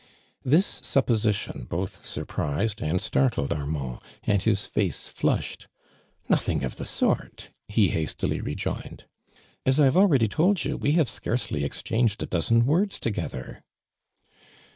This supposition both surprised and startled Armand, and his face flushed. " Nothing sf the sort!" he hastily rejoined. "As I have already told you, wc have scarcely exchanged a dozen words toge ther."